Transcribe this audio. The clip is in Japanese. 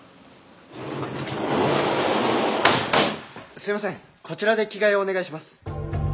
すいませんこちらで着替えをお願いします。